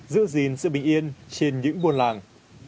giữ gìn sự bình yên trên những buôn làng